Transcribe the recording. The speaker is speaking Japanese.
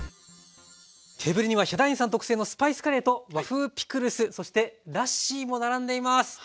テーブルにはヒャダインさん特製のスパイスカレーと和風ピクルスそしてラッシーも並んでいます。